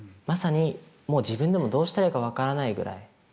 まさにもう自分でもどうしたらいいか分からないぐらい